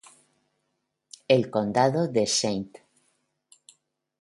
El condado de St.